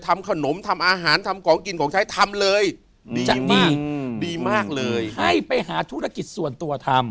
ทำขนมทำอาหารทำของกินของใช้ทำเลยดีมากดีมากเลยให้ไปหาธุรกิจส่วนตัวทำ